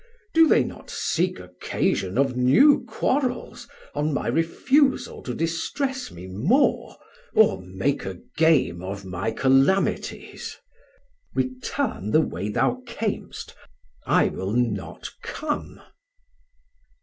Do they not seek occasion of new quarrels On my refusal to distress me more, 1330 Or make a game of my calamities? Return the way thou cam'st, I will not come.